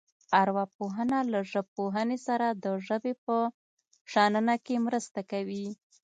ارواپوهنه له ژبپوهنې سره د ژبې په شننه کې مرسته کوي